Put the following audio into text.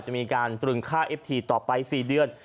จะมีการตรึงค่าเอฟทีต่อไป๔เดือน